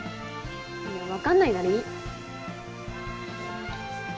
分かんないならいい。